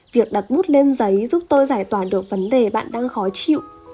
việc đặt bút lên giấy giúp tôi giải tỏa được vấn đề bạn đang khó chịu